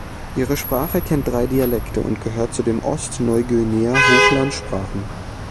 Ihre Sprache kennt drei Dialekte und gehört zu den Ost-Neuguinea-Hochland-Sprachen.